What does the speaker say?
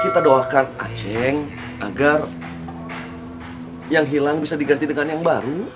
kita doakan aceh agar yang hilang bisa diganti dengan yang baru